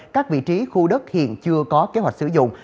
các vị trí khu đất hiện chưa có kế hoạch sử dụng